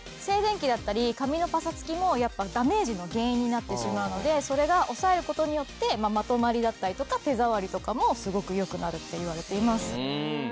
静電気だったり髪のパサつきもやっぱダメージの原因になってしまうのでそれが抑えることによってまとまりだったりとか手触りとかもすごく良くなるっていわれています。